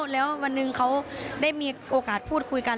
แล้ววันหนึ่งเขาได้มีโอกาสพูดคุยกัน